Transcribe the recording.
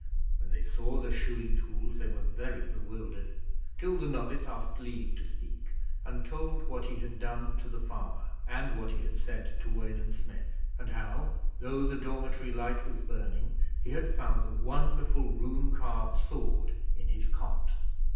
When they saw the shoeing tools they were very bewildered, till the novice asked leave to speak, and told what he had done to the farmer, and what he had said to Wayland Smith, and how, though the dormitory light was burning, he had found the wonderful rune carved sword in his cot.